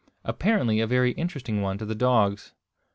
Apparently a very interesting one to the dogs.